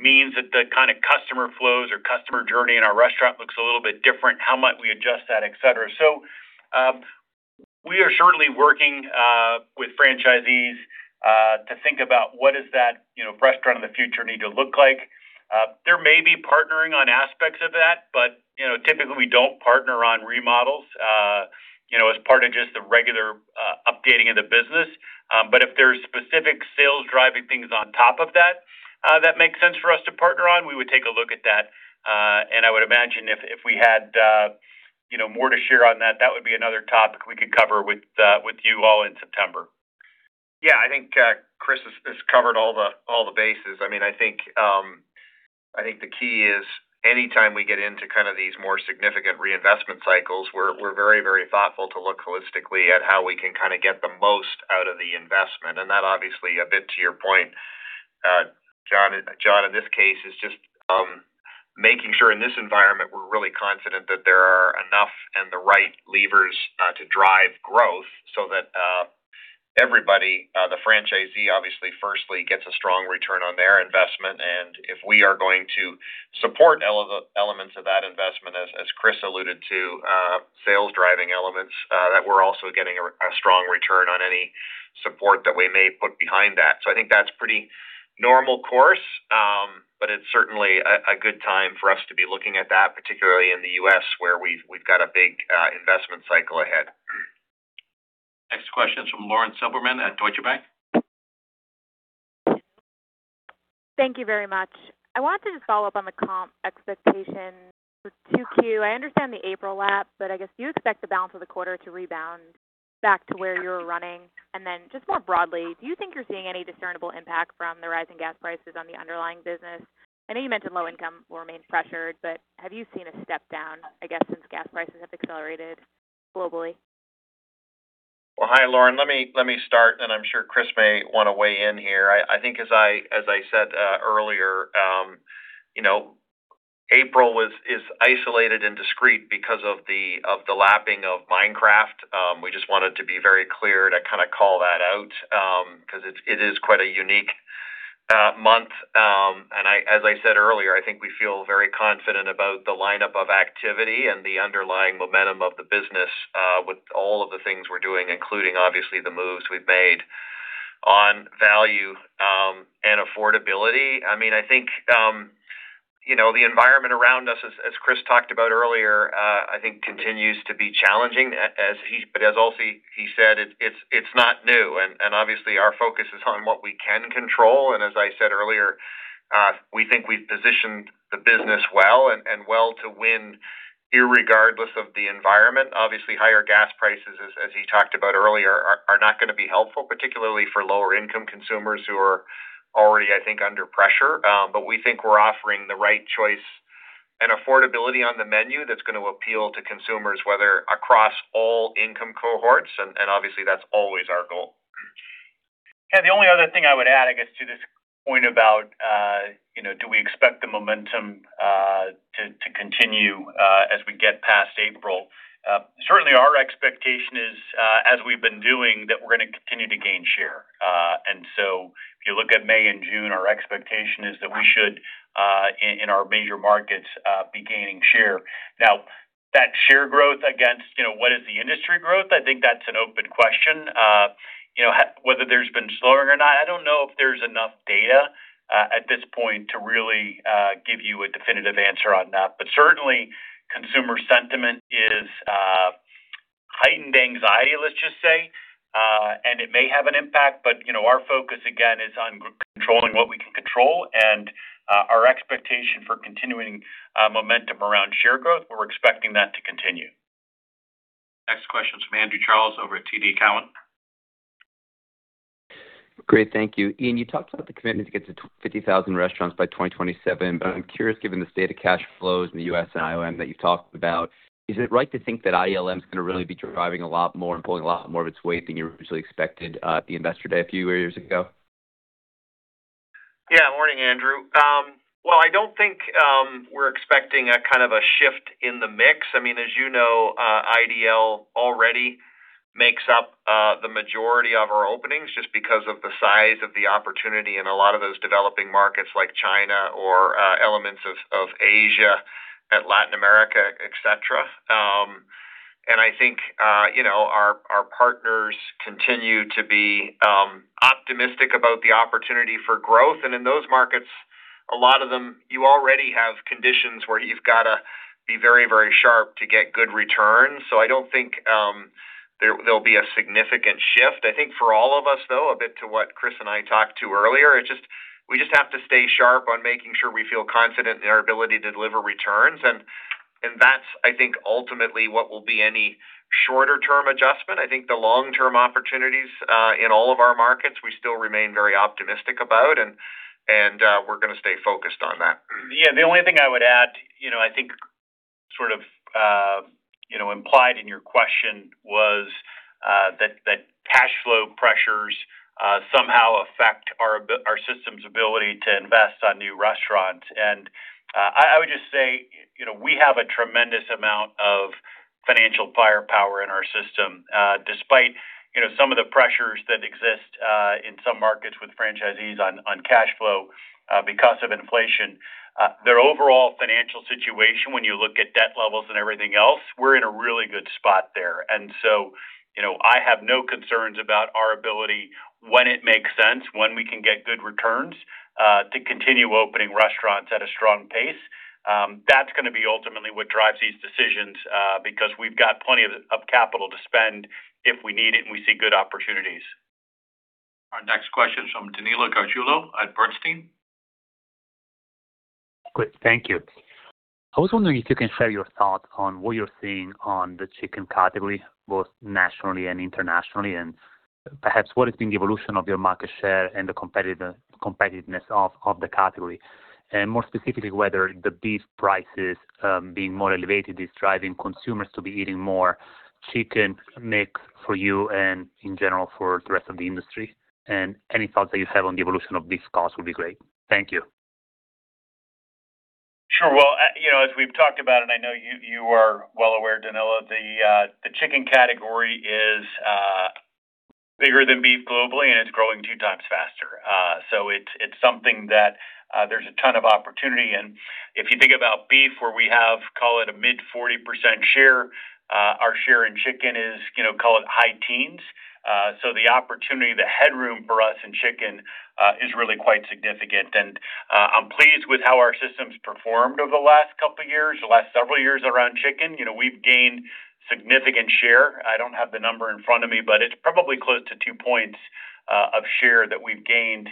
Speaker 3: means that the kinda customer flows or customer journey in our restaurant looks a little bit different. How might we adjust that, et cetera. We are certainly working with franchisees to think about what is that, you know, restaurant of the future need to look like. There may be partnering on aspects of that, you know, typically we don't partner on remodels, you know, as part of just the regular updating of the business. If there's specific sales driving things on top of that makes sense for us to partner on, we would take a look at that. I would imagine if we had, you know, more to share on that would be another topic we could cover with you all in September.
Speaker 4: Yeah. I think Chris has covered all the bases. I mean, I think the key is any time we get into kind of these more significant reinvestment cycles, we're very thoughtful to look holistically at how we can kinda get the most out of the investment. That obviously, a bit to your point, Jon, in this case, is just making sure in this environment we're really confident that there are enough and the right levers to drive growth so that everybody, the franchisee obviously firstly gets a strong return on their investment. If we are going to support elements of that investment, as Chris alluded to, sales driving elements, that we're also getting a strong return on any support that we may put behind that. I think that's pretty normal course, but it's certainly a good time for us to be looking at that, particularly in the U.S. where we've got a big investment cycle ahead.
Speaker 2: Next question is from Lauren Silberman at Deutsche Bank.
Speaker 15: Thank you very much. I wanted to just follow up on the comp expectations for 2Q. I understand the April lap, I guess, do you expect the balance of the quarter to rebound back to where you were running? Just more broadly, do you think you're seeing any discernible impact from the rising gas prices on the underlying business? I know you mentioned low income will remain pressured, have you seen a step down, I guess, since gas prices have accelerated globally?
Speaker 4: Well, hi, Lauren. Let me start, I'm sure Chris may wanna weigh in here. I think as I said earlier, you know, April is isolated and discrete because of the lapping of Minecraft. We just wanted to be very clear to kinda call that out, 'cause it is quite a unique month. As I said earlier, I think we feel very confident about the lineup of activity and the underlying momentum of the business, with all of the things we're doing, including obviously the moves we've made on value and affordability. I mean, I think, you know, the environment around us as Chris talked about earlier, I think continues to be challenging as he. As also he said, it's not new. Obviously, our focus is on what we can control. as I said earlier, we think we've positioned the business well and well to win irregardless of the environment. Obviously, higher gas prices, as he talked about earlier, are not gonna be helpful, particularly for lower income consumers who are already, I think, under pressure. we think we're offering the right choice and affordability on the menu that's gonna appeal to consumers, whether across all income cohorts, and obviously that's always our goal.
Speaker 3: Yeah. The only other thing I would add, I guess, to this point about, you know, do we expect the momentum to continue as we get past April. Certainly our expectation is, as we've been doing, that we're gonna continue to gain share. If you look at May and June, our expectation is that we should in our major markets be gaining share. Now, that share growth against, you know, what is the industry growth? I think that's an open question. You know, whether there's been slowing or not, I don't know if there's enough data at this point to really give you a definitive answer on that. Certainly consumer sentiment is heightened anxiety, let's just say. It may have an impact, but, you know, our focus again, is on controlling what we can control and our expectation for continuing momentum around share growth, we're expecting that to continue.
Speaker 2: Next question is from Andrew Charles over at TD Cowen.
Speaker 16: Great. Thank you. Ian, you talked about the commitment to get to 50,000 restaurants by 2027. I'm curious, given the state of cash flows in the U.S. and IDL that you've talked about, is it right to think that IDL is gonna really be driving a lot more and pulling a lot more of its weight than you originally expected at the Investor Day a few years ago?
Speaker 4: Morning, Andrew. Well, I don't think we're expecting a kind of a shift in the mix. I mean, as you know, IDL already makes up the majority of our openings just because of the size of the opportunity in a lot of those developing markets like China or elements of Asia and Latin America, et cetera. I think, you know, our partners continue to be optimistic about the opportunity for growth. In those markets, a lot of them, you already have conditions where you've gotta be very, very sharp to get good returns. I don't think there'll be a significant shift. I think for all of us, though, a bit to what Chris and I talked to earlier, we just have to stay sharp on making sure we feel confident in our ability to deliver returns, and that's I think ultimately what will be any shorter term adjustment. I think the long-term opportunities in all of our markets, we still remain very optimistic about, and we're gonna stay focused on that.
Speaker 3: Yeah. The only thing I would add, you know, I think sort of, you know, implied in your question was that cash flow pressures somehow affect our system's ability to invest on new restaurants. I would just say, you know, we have a tremendous amount of financial firepower in our system. Despite, you know, some of the pressures that exist in some markets with franchisees on cash flow, because of inflation. Their overall financial situation, when you look at debt levels and everything else, we're in a really good spot there. You know, I have no concerns about our ability when it makes sense, when we can get good returns, to continue opening restaurants at a strong pace. That's gonna be ultimately what drives these decisions because we've got plenty of capital to spend if we need it and we see good opportunities.
Speaker 2: Our next question is from Danilo Gargiulo at Bernstein.
Speaker 17: Great. Thank you. I was wondering if you can share your thoughts on what you're seeing on the chicken category, both nationally and internationally. Perhaps what has been the evolution of your market share and the competitiveness of the category. More specifically, whether the beef prices being more elevated is driving consumers to be eating more chicken mix for you and in general for the rest of the industry. Any thoughts that you have on the evolution of beef costs would be great. Thank you.
Speaker 3: Sure. You know, as we've talked about, and I know you are well aware, Danilo, the chicken category is bigger than beef globally, and it's growing two times faster. It's something that there's a ton of opportunity. If you think about beef, where we have, call it a mid 40% share, our share in chicken is, you know, call it high teens. The opportunity, the headroom for us in chicken, is really quite significant. I'm pleased with how our system's performed over the last couple years, the last several years around chicken. You know, we've gained significant share. I don't have the number in front of me, it's probably close to two points of share that we've gained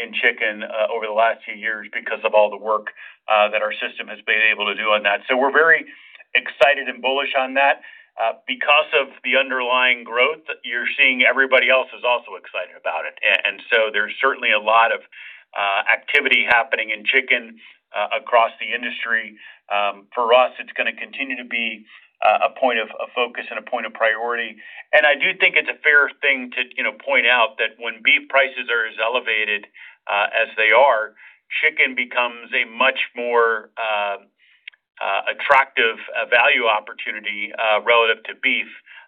Speaker 3: in chicken over the last few years because of all the work that our system has been able to do on that. We're very excited and bullish on that. Because of the underlying growth, you're seeing everybody else is also excited about it. There's certainly a lot of activity happening in chicken across the industry. For us, it's gonna continue to be a point of focus and a point of priority. I do think it's a fair thing to, you know, point out that when beef prices are as elevated as they are, chicken becomes a much more attractive value opportunity relative to beef.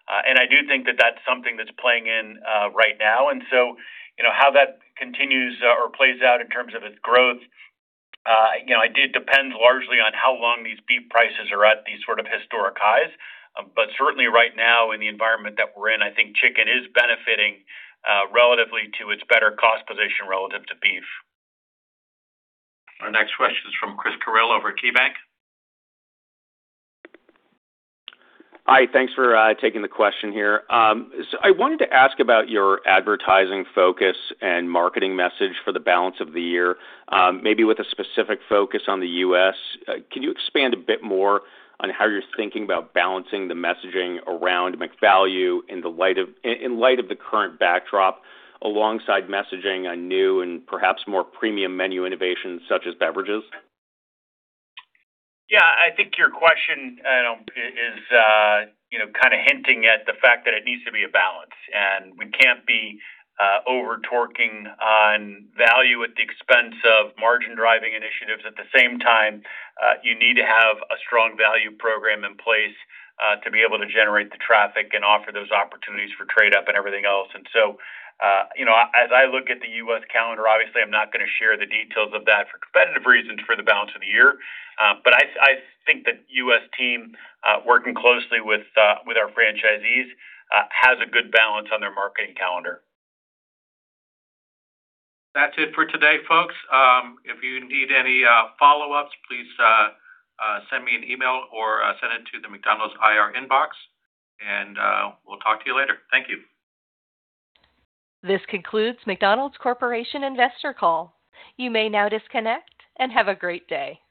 Speaker 3: I do think that that's something that's playing in right now. You know, how that continues or plays out in terms of its growth, you know, it depends largely on how long these beef prices are at these sort of historic highs. Certainly right now in the environment that we're in, I think chicken is benefiting relatively to its better cost position relative to beef.
Speaker 2: Our next question is from Chris Carril over at KeyBanc.
Speaker 18: Hi. Thanks for taking the question here. I wanted to ask about your advertising focus and marketing message for the balance of the year, maybe with a specific focus on the U.S. Can you expand a bit more on how you're thinking about balancing the messaging around McValue in light of the current backdrop alongside messaging on new and perhaps more premium menu innovations such as beverages?
Speaker 3: Yeah. I think your question, you know, kinda hinting at the fact that it needs to be a balance, and we can't be over-torquing on value at the expense of margin-driving initiatives. At the same time, you need to have a strong value program in place to be able to generate the traffic and offer those opportunities for trade-up and everything else. You know, as I look at the U.S. calendar, obviously I'm not gonna share the details of that for competitive reasons for the balance of the year, but I think the U.S. team, working closely with our franchisees, has a good balance on their marketing calendar.
Speaker 2: That's it for today, folks. If you need any follow-ups, please send me an email or send it to the McDonald's IR inbox, and we'll talk to you later. Thank you.
Speaker 1: This concludes McDonald's Corporation investor call. You may now disconnect. Have a great day.